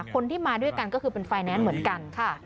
คนที่มาด้วยกันก็คือเป็นไฟแนนซ์เหมือนกันค่ะ